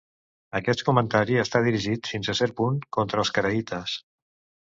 Aquest comentari està dirigit, fins a cert punt, contra els caraïtes.